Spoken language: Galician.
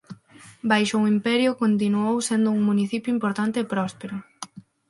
Baixo o imperio continuou sendo un municipio importante e próspero.